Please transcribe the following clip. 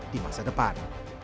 di masa depan